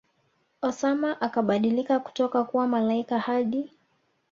Osama akabadilika kutoka kuwa malaika Hadi